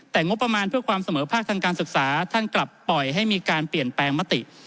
แต่งบประมาณเพื่อความเสมอภาคทางการศึกษาท่านกลับปล่อยให้มีการเปลี่ยนแปลงมติ